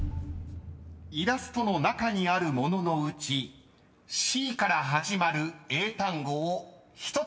［イラストの中にある物のうち「Ｃ」から始まる英単語を１つ言え］